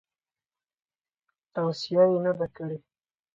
توصیه یې نه ده کړې.